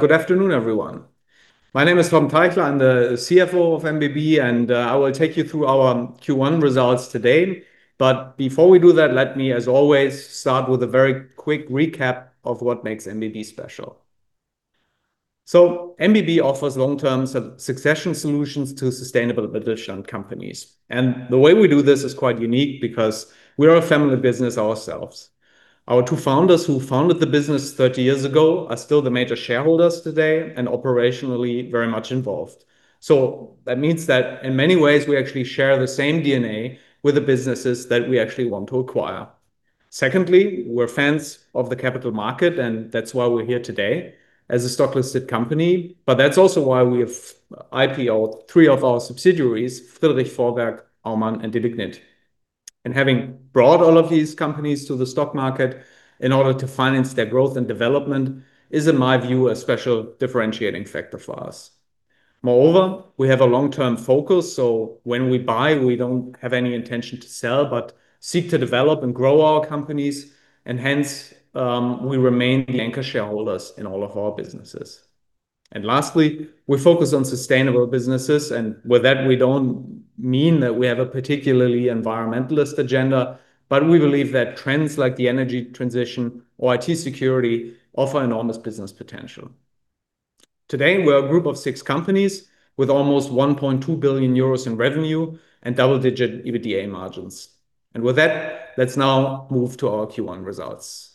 Good afternoon, everyone. My name is Torben Teichler. I'm the CFO of MBB, and I will take you through our Q1 results today. Before we do that, let me, as always, start with a very quick recap of what makes MBB special. MBB offers long-term succession solutions to sustainable family-owned companies. The way we do this is quite unique because we are a family business ourselves. Our two founders, who founded the business 30 years ago, are still the major shareholders today and operationally very much involved. That means that in many ways we actually share the same DNA with the businesses that we actually want to acquire. Secondly, we're fans of the capital market, and that's why we're here today as a stock-listed company. That's also why we have IPOed three of our subsidiaries, Friedrich Vorwerk, Aumann, and Delignit. Having brought all of these companies to the stock market in order to finance their growth and development is, in my view, a special differentiating factor for us. Moreover, we have a long-term focus, so when we buy, we don't have any intention to sell, but seek to develop and grow our companies, and hence, we remain the anchor shareholders in all of our businesses. Lastly, we focus on sustainable businesses, and with that we don't mean that we have a particularly environmentalist agenda. We believe that trends like the energy transition or IT security offer enormous business potential. Today, we're a group of six companies with almost 1.2 billion euros in revenue and double-digit EBITDA margins. With that, let's now move to our Q1 results.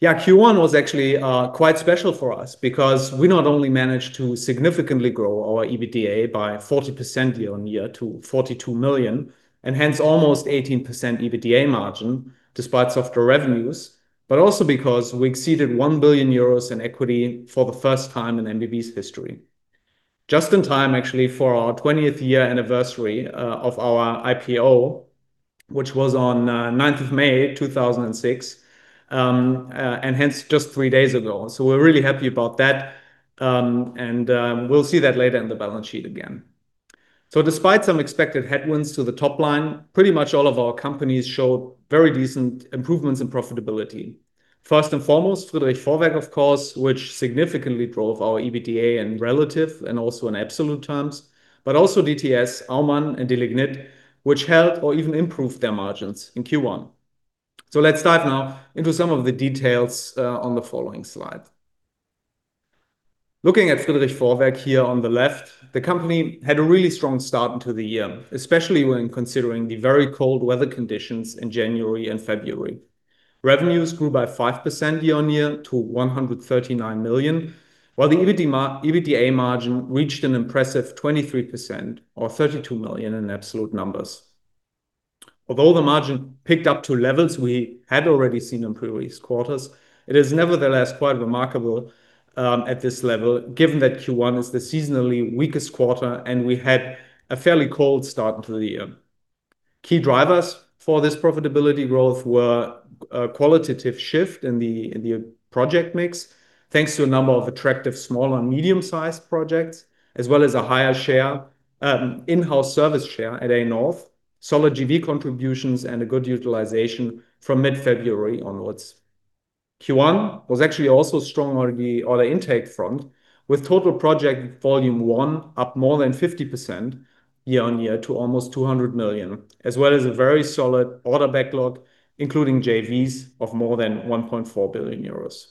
Yeah, Q1 was actually quite special for us because we not only managed to significantly grow our EBITDA by 40% year-over-year to 42 million, and hence almost 18% EBITDA margin despite softer revenues, but also because we exceeded 1 billion euros in equity for the first time in MBB's history. Just in time, actually, for our 20th year anniversary of our IPO, which was on ninth of May 2006, and hence just three days ago. We're really happy about that, and we'll see that later in the balance sheet again. Despite some expected headwinds to the top line, pretty much all of our companies showed very decent improvements in profitability. First and foremost, Friedrich Vorwerk, of course, which significantly drove our EBITDA in relative and also in absolute terms, but also DTS, Aumann and Delignit, which held or even improved their margins in Q1. Let's dive now into some of the details on the following slide. Looking at Friedrich Vorwerk here on the left, the company had a really strong start into the year, especially when considering the very cold weather conditions in January and February. Revenues grew by 5% year-over-year to 139 million, while the EBITDA margin reached an impressive 23%, or 32 million in absolute numbers. Although the margin picked up to levels we had already seen in previous quarters, it is nevertheless quite remarkable at this level, given that Q1 is the seasonally weakest quarter, and we had a fairly cold start into the year. Key drivers for this profitability growth were a qualitative shift in the project mix, thanks to a number of attractive small and medium-sized projects, as well as a higher in-house service share at A-Nord, solid JV contributions and a good utilization from mid-February onwards. Q1 was actually also strong on the order intake front, with total project volume won up more than 50% year on year to almost 200 million, as well as a very solid order backlog, including JVs of more than 1.4 billion euros.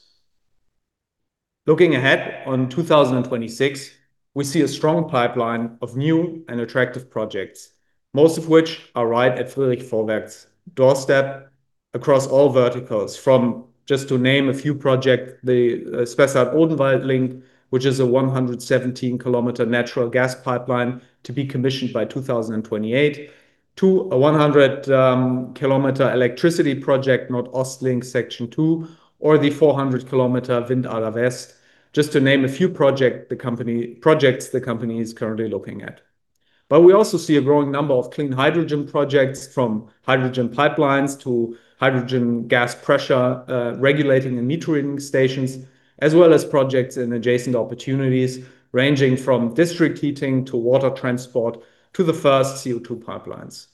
Looking ahead on 2026, we see a strong pipeline of new and attractive projects, most of which are right at Friedrich Vorwerk's doorstep across all verticals. From just to name a few project, the Etzel-Wardenburg Link, which is a 117 kilometer natural gas pipeline to be commissioned by 2028, to a 100 kilometer electricity project, NordOstLink Section two, or the 400 kilometer Windader West, just to name a few projects the company is currently looking at. We also see a growing number of clean hydrogen projects, from hydrogen pipelines to hydrogen gas pressure regulating and metering stations, as well as projects in adjacent opportunities ranging from district heating to water transport to the first CO2 pipelines.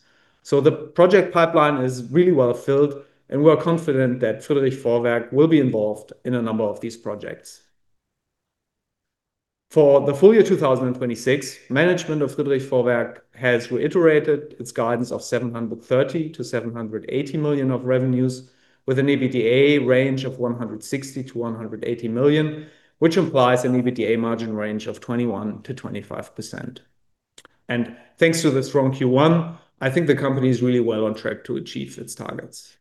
The project pipeline is really well filled, and we are confident that Friedrich Vorwerk will be involved in a number of these projects. For the full year 2026, management of Friedrich Vorwerk has reiterated its guidance of 730 million-780 million of revenues, with an EBITDA range of 160 million-180 million, which implies an EBITDA margin range of 21%-25%. Thanks to the strong Q1, I think the company is really well on track to achieve its targets.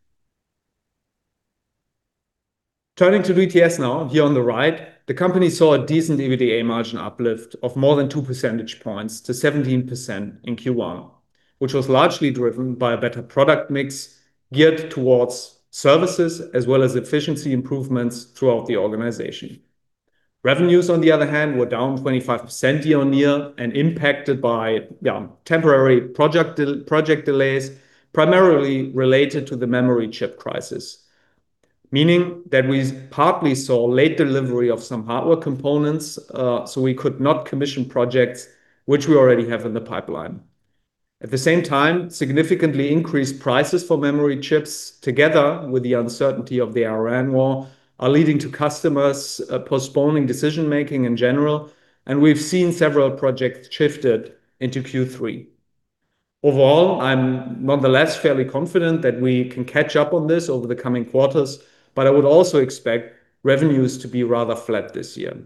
Turning to DTS now, here on the right. The company saw a decent EBITDA margin uplift of more than two percentage points to 17% in Q1, which was largely driven by a better product mix geared towards services as well as efficiency improvements throughout the organization. Revenues, on the other hand, were down 25% year-on-year and impacted by temporary project delays, primarily related to the memory chip crisis. Meaning that we partly saw late delivery of some hardware components, so we could not commission projects which we already have in the pipeline. At the same time, significantly increased prices for memory chips together with the uncertainty of the Iran war are leading to customers postponing decision-making in general, and we've seen several projects shifted into Q3. I'm nonetheless fairly confident that we can catch up on this over the coming quarters, but I would also expect revenues to be rather flat this year.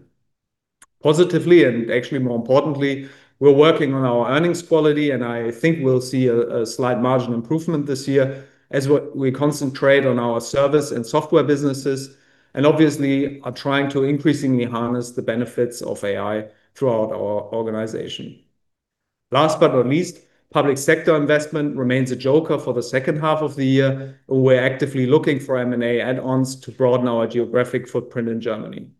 Actually more importantly, we're working on our earnings quality, and I think we'll see a slight margin improvement this year as we concentrate on our service and software businesses, and obviously are trying to increasingly harness the benefits of AI throughout our organization. Last but not least, public sector investment remains a joker for the second half of the year. We're actively looking for M&A add-ons to broaden our geographic footprint in Germany.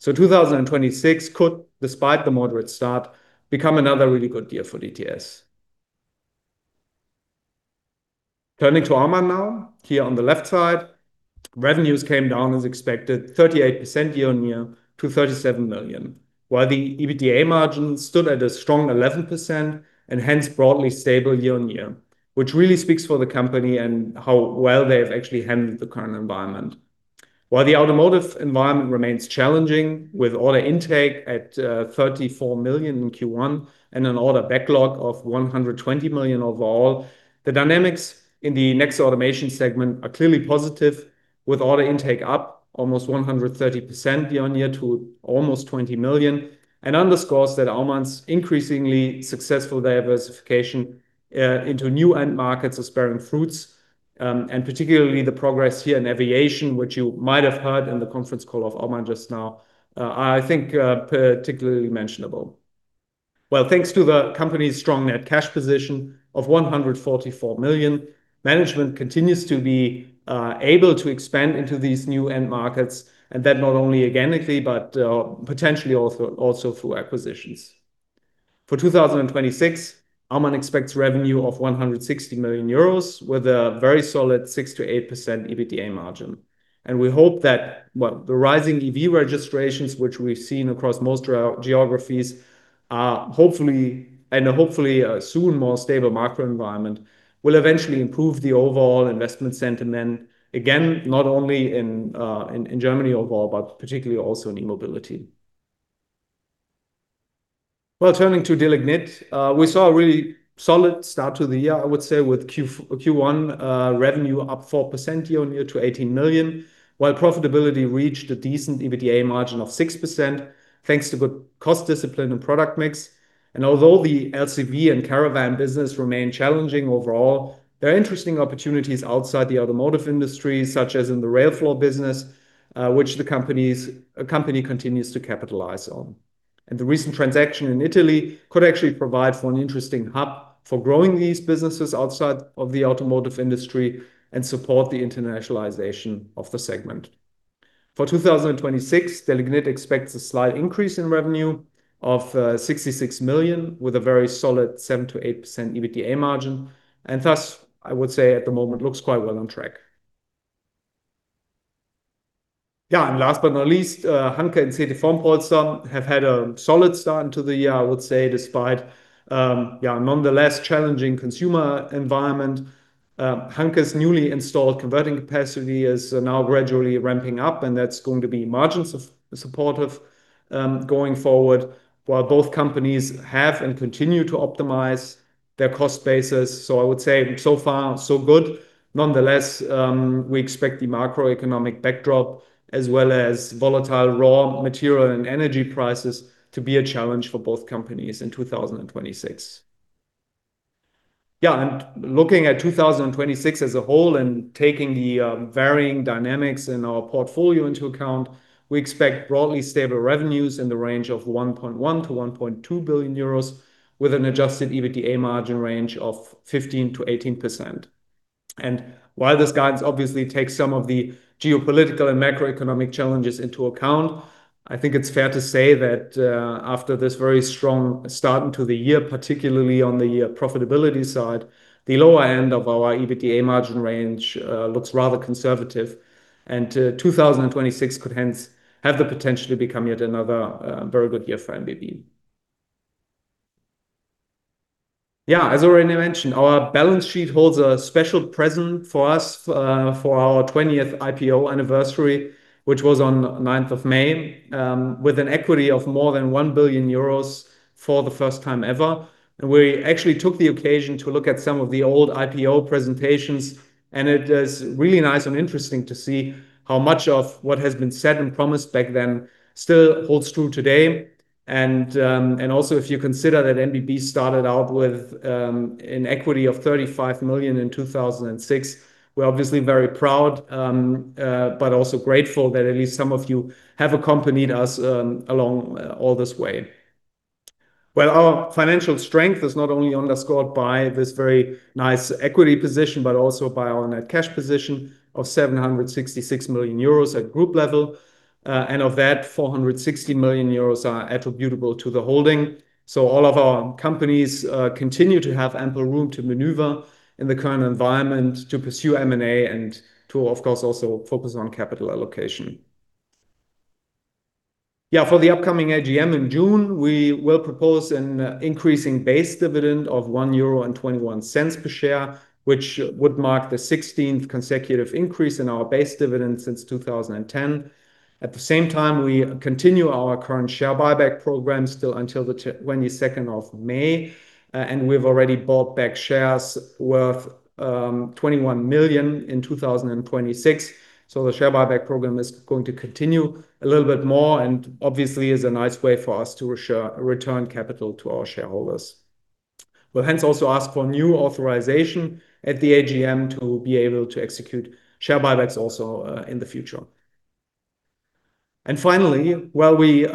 So, 2026 could, despite the moderate start, become another really good year for DTS. Turning to Aumann now. Here on the left side, revenues came down as expected, 38% year-over-year to 37 million, while the EBITDA margin stood at a strong 11% and hence broadly stable year-over-year, which really speaks for the company and how well they have actually handled the current environment. While the automotive environment remains challenging, with order intake at 34 million in Q1 and an order backlog of 120 million overall, the dynamics in the next automation segment are clearly positive, with order intake up almost 130% year-on-year to almost 20 million and underscores that Aumann's increasingly successful diversification into new end markets are bearing fruits, and particularly the progress here in aviation, which you might have heard in the conference call of Aumann just now, are, I think, particularly mentionable. Well, thanks to the company's strong net cash position of 144 million, management continues to be able to expand into these new end markets, and that not only organically, but potentially also through acquisitions. For 2026, Aumann expects revenue of 160 million euros with a very solid 6%-8% EBITDA margin. We hope that, the rising EV registrations which we've seen across most geographies are hopefully a soon more stable macro environment will eventually improve the overall investment sentiment, again, not only in Germany overall, but particularly also in e-mobility. Turning to Delignit, we saw a really solid start to the year, I would say, with Q1 revenue up 4% year-on-year to 18 million, while profitability reached a decent EBITDA margin of 6% thanks to good cost discipline and product mix. Although the LCV and caravan business remain challenging overall, there are interesting opportunities outside the non-automotive industry, such as in the rail floor business, which a company continues to capitalize on. The recent transaction in Italy could actually provide for an interesting hub for growing these businesses outside of the non-automotive industry and support the internationalization of the segment. For 2026, Delignit expects a slight increase in revenue of 66 million with a very solid 7%-8% EBITDA margin, thus, I would say at the moment, looks quite well on track. Last but not least, Hanke and CT Formpolster have had a solid start to the year, I would say, despite, nonetheless challenging consumer environment. Hanke's newly installed converting capacity is now gradually ramping up, and that's going to be margins supportive going forward, while both companies have and continue to optimize their cost bases. I would say so far, so good. Nonetheless, we expect the macroeconomic backdrop as well as volatile raw material and energy prices to be a challenge for both companies in 2026. Looking at 2026 as a whole and taking the varying dynamics in our portfolio into account, we expect broadly stable revenues in the range of 1.1 billion-1.2 billion euros with an adjusted EBITDA margin range of 15%-18%. While this guidance obviously takes some of the geopolitical and macroeconomic challenges into account, I think it's fair to say that after this very strong start into the year, particularly on the profitability side, the lower end of our EBITDA margin range looks rather conservative, and 2026 could hence have the potential to become yet another very good year for MBB. Yeah, as already mentioned, our balance sheet holds a special present for us for our twentieth IPO anniversary, which was on 9th of May, with an equity of more than 1 billion euros for the first time ever. We actually took the occasion to look at some of the old IPO presentations, and it is really nice and interesting to see how much of what has been said and promised back then still holds true today. Also if you consider that MBB started out with an equity of 35 million in 2006, we're obviously very proud, but also grateful that at least some of you have accompanied us along all this way. Well, our financial strength is not only underscored by this very nice equity position, but also by our net cash position of 766 million euros at group level. Of that, 460 million euros are attributable to the holding. All of our companies continue to have ample room to maneuver in the current environment to pursue M&A and to, of course, also focus on capital allocation. For the upcoming AGM in June, we will propose an increasing base dividend of 1.21 euro per share, which would mark the 16th consecutive increase in our base dividend since 2010. At the same time, we continue our current share buyback program still until the 22nd of May. And we've already bought back shares worth 21 million in 2026. The share buyback program is going to continue a little bit more, and obviously is a nice way for us to return capital to our shareholders. We'll hence also ask for new authorization at the AGM to be able to execute share buybacks also in the future. Finally, while we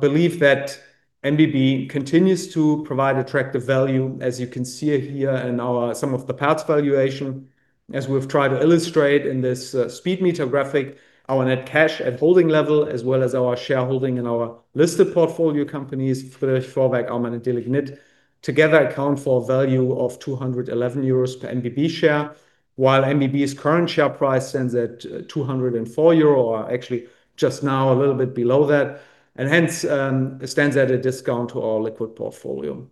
believe that MBB continues to provide attractive value, as you can see here in our sum of the parts valuation, as we've tried to illustrate in this speed meter graphic, our net cash at holding level, as well as our shareholding in our listed portfolio companies, Friedrich Vorwerk, Aumann, and Delignit, together account for a value of 211 euros per MBB share. While MBB's current share price stands at 204 euro, or actually just now a little bit below that, hence, it stands at a discount to our liquid portfolio.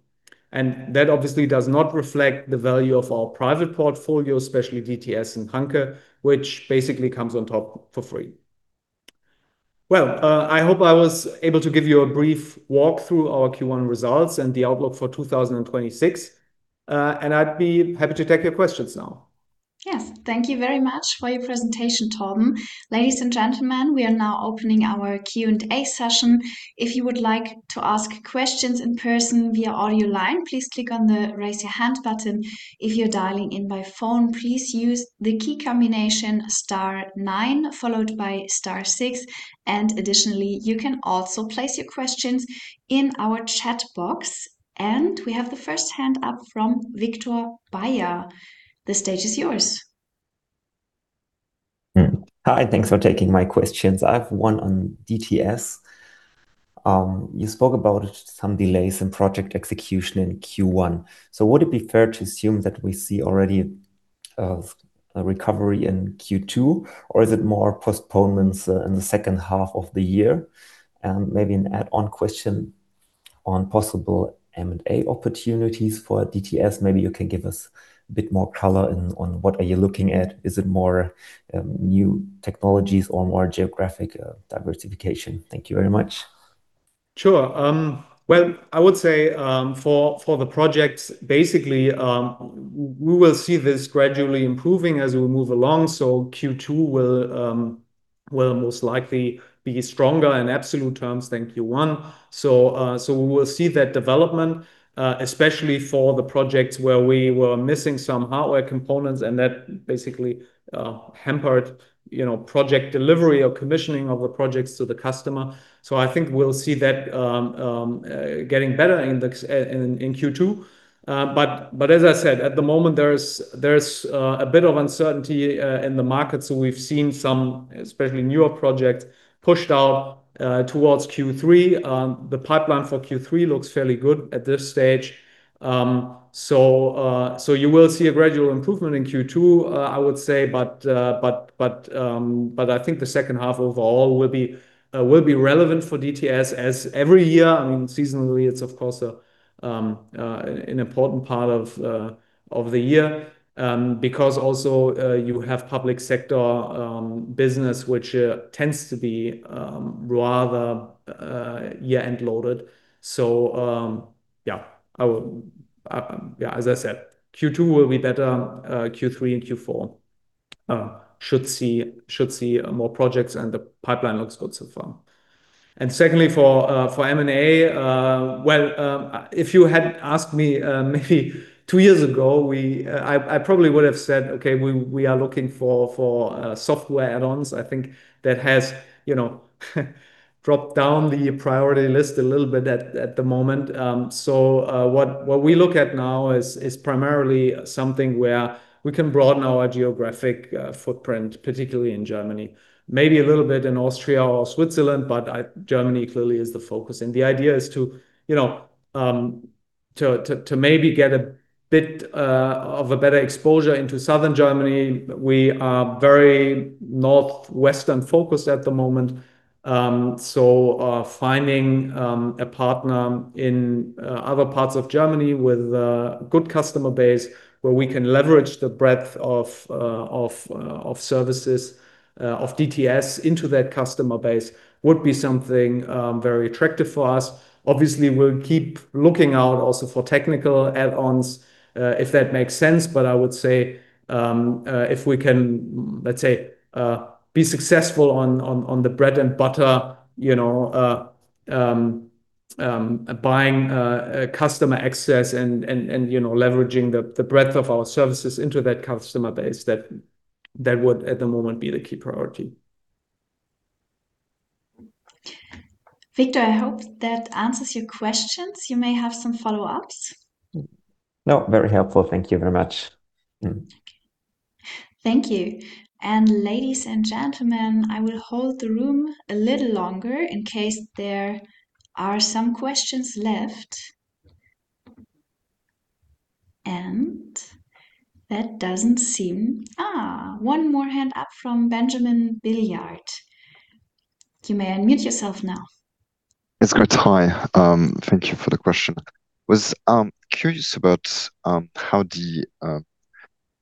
That obviously does not reflect the value of our private portfolio, especially DTS and Hanke, which basically comes on top for free. Well, I hope I was able to give you a brief walk through our Q1 results and the outlook for 2026. I'd be happy to take your questions now. Yes. Thank you very much for your presentation, Torben. Ladies and gentlemen, we are now opening our Q&A session. If you would like to ask questions in person via audio line, please click on the raise your hand button. If you're dialing in by phone, please use the key combination star nine followed by star six. Additionally, you can also place your questions in our chat box. We have the first hand up from Victor Beyer. The stage is yours. Hi, thanks for taking my questions. I have one on DTS. You spoke about some delays in project execution in Q1. Would it be fair to assume that we see already a recovery in Q2? Is it more postponements in the second half of the year? Maybe an add-on question on possible M&A opportunities for DTS. Maybe you can give us a bit more color on what are you looking at. Is it more new technologies or more geographic diversification? Thank you very much. Sure. Well, I would say, for the projects, basically, we will see this gradually improving as we move along. Q2 will most likely be stronger in absolute terms than Q1. We will see that development, especially for the projects where we were missing some hardware components and that basically hampered, you know, project delivery or commissioning of the projects to the customer. I think we'll see that getting better in Q2. As I said, at the moment, there's a bit of uncertainty in the market. We've seen some, especially newer projects, pushed out towards Q3. The pipeline for Q3 looks fairly good at this stage. You will see a gradual improvement in Q2, I would say, but I think the 2nd half overall will be relevant for DTS as every year, I mean, seasonally, it's of course an important part of the year. Because also, you have public sector business which tends to be rather year-end loaded. As I said, Q2 will be better. Q3 and Q4 should see more projects, and the pipeline looks good so far. Secondly, for M&A, well, if you had asked me maybe two years ago, I probably would have said, "Okay, we are looking for software add-ons." I think that has, you know, dropped down the priority list a little bit at the moment. What we look at now is primarily something where we can broaden our geographic footprint, particularly in Germany. Maybe a little bit in Austria or Switzerland, but Germany clearly is the focus. The idea is to, you know, to maybe get a bit of a better exposure into Southern Germany. We are very Northwestern focused at the moment. Finding a partner in other parts of Germany with a good customer base where we can leverage the breadth of services of DTS into that customer base would be something very attractive for us. Obviously, we'll keep looking out also for technical add-ons if that makes sense. I would say, if we can, let's say, be successful on the bread and butter, you know, buying customer access and, you know, leveraging the breadth of our services into that customer base, that would at the moment be the key priority. Victor, I hope that answers your questions. You may have some follow-ups. No, very helpful. Thank you very much. Okay. Thank you. Ladies and gentlemen, I will hold the room a little longer in case there are some questions left. One more hand up from [Benjamin Büllesbach]. You may unmute yourself now. It's great. Hi, thank you for the question. I was curious about how the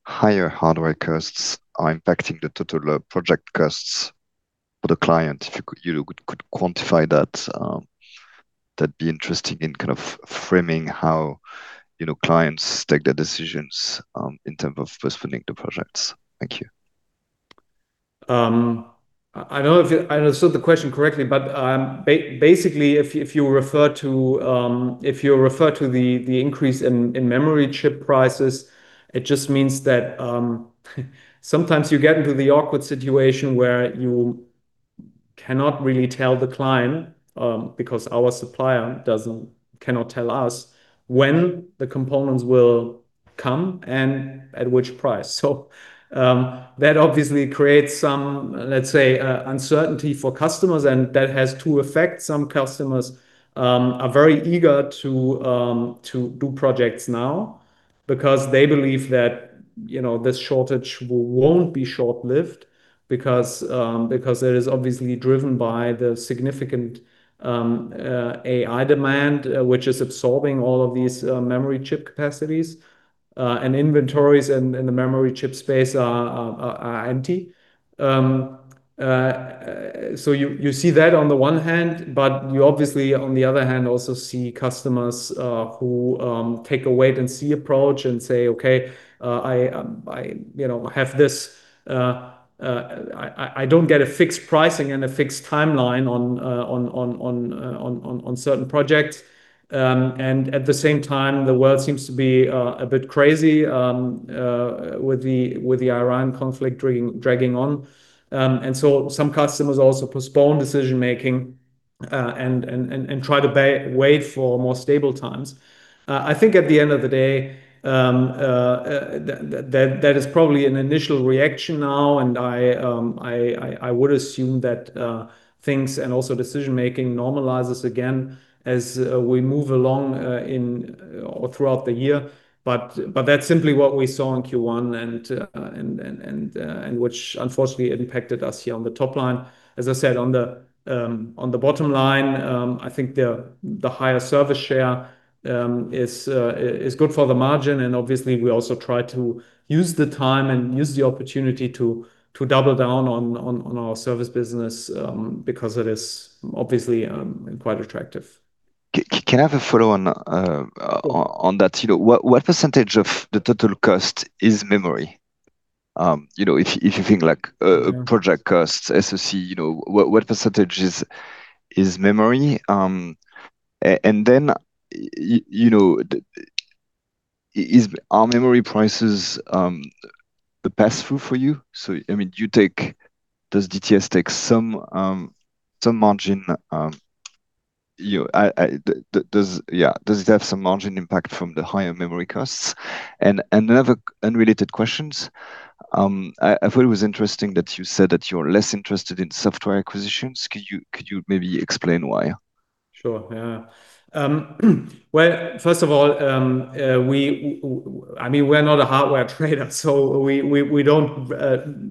higher hardware costs are impacting the total project costs for the client. If you could quantify that'd be interesting in kind of framing how, you know, clients take their decisions in terms of first funding the projects. Thank you. I don't know if I understood the question correctly, but basically, if you refer to, if you refer to the increase in memory chip prices, it just means that sometimes you get into the awkward situation where you cannot really tell the client because our supplier cannot tell us when the components will come and at which price. That obviously creates some, let's say, uncertainty for customers, and that has two effects. Some customers are very eager to do projects now because they believe that, you know, this shortage won't be short-lived because it is obviously driven by the significant AI demand, which is absorbing all of these memory chip capacities. Inventories and the memory chip space are empty. You see that on the one hand, but you obviously, on the other hand, also see customers, who, take a wait and see approach and say, "Okay, I, you know, have this, I don't get a fixed pricing and a fixed timeline on certain projects." At the same time, the world seems to be a bit crazy, with the Iran conflict dragging on. Some customers also postpone decision-making, and try to wait for more stable times. I think at the end of the day, that is probably an initial reaction now, and I would assume that things and also decision-making normalizes again as we move along in or throughout the year. That's simply what we saw in Q1 and which unfortunately impacted us here on the top line. As I said, on the bottom line, I think the higher service share is good for the margin. Obviously we also try to use the time and use the opportunity to double down on our service business because it is obviously quite attractive. Can I have a follow up on on that? You know, what percentage of the total cost is memory? You know, if you think like project costs, SoC, you know, what percentage is memory? Then, you know, are memory prices the pass through for you? I mean, does DTS take some margin, does it have some margin impact from the higher memory costs? Another unrelated questions, I thought it was interesting that you said that you're less interested in software acquisitions. Could you maybe explain why? Sure. Yeah. We're not a hardware trader, we don't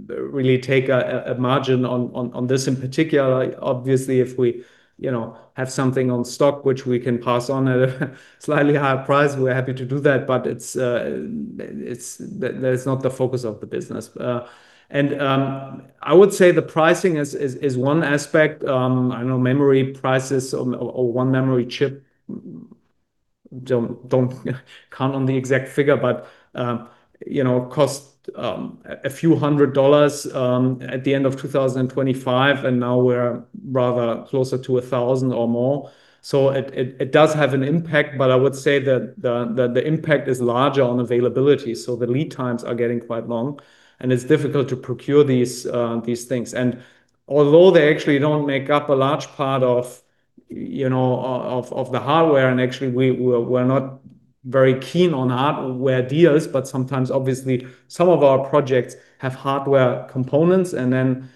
really take a margin on this in particular. Obviously, if we, you know, have something on stock which we can pass on at a slightly higher price, we're happy to do that. That is not the focus of the business. I would say the pricing is one aspect. I know memory prices or one memory chip don't count on the exact figure, cost a few hundred dollars at the end of 2025, and now we're rather closer to $1,000 or more. It does have an impact, I would say the impact is larger on availability. The lead times are getting quite long, and it's difficult to procure these things. Although they actually don't make up a large part of, you know, of the hardware, and actually we're not very keen on hardware deals, but sometimes obviously some of our projects have hardware components. Then,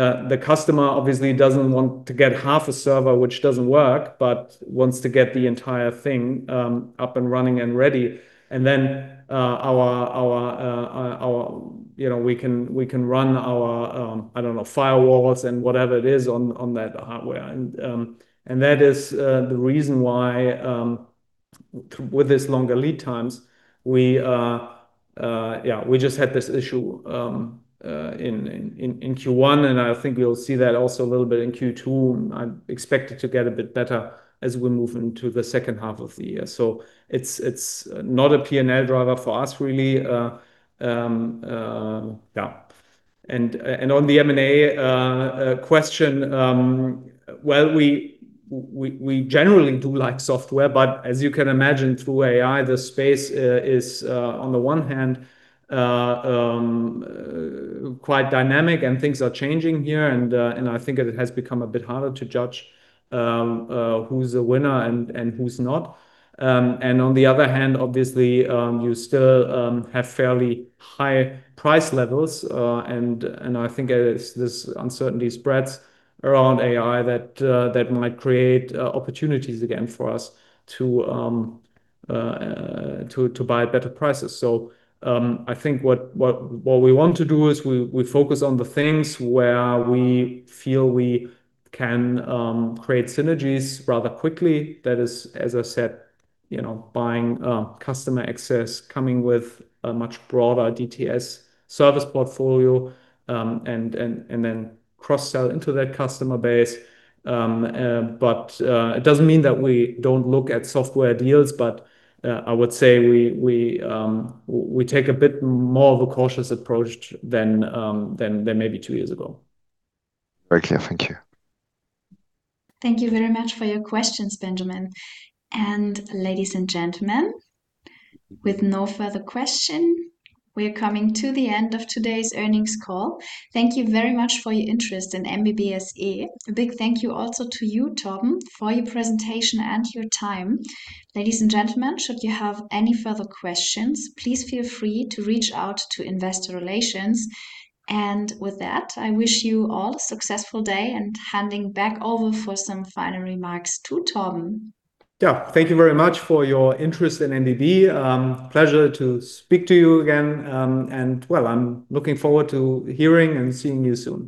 the customer obviously doesn't want to get half a server which doesn't work, but wants to get the entire thing, up and running and ready. Then, our, you know, we can, we can run our, I don't know, firewalls and whatever it is on that hardware. That is the reason why with this longer lead times, we just had this issue in Q1, and I think we'll see that also a little bit in Q2. I expect it to get a bit better as we move into the second half of the year. It's not a P&L driver for us really. On the M&A question, well, we generally do like software, but as you can imagine through AI, the space is on the one hand quite dynamic and things are changing here and I think it has become a bit harder to judge who's a winner and who's not. On the other hand, obviously, you still have fairly high price levels, and I think as this uncertainty spreads around AI that might create opportunities again for us to buy better prices. I think what we want to do is we focus on the things where we feel we can create synergies rather quickly. That is, as I said, you know, buying customer access, coming with a much broader DTS service portfolio, and then cross-sell into that customer base. It doesn't mean that we don't look at software deals, but I would say we take a bit more of a cautious approach than maybe two years ago. Very clear. Thank you. Thank you very much for your questions, Benjamin. Ladies and gentlemen, with no further question, we are coming to the end of today's earnings call. Thank you very much for your interest in MBB SE. A big thank you also to you, Torben, for your presentation and your time. Ladies and gentlemen, should you have any further questions, please feel free to reach out to investor relations. With that, I wish you all a successful day and handing back over for some final remarks to Torben. Yeah. Thank you very much for your interest in MBB. Pleasure to speak to you again. Well, I'm looking forward to hearing and seeing you soon.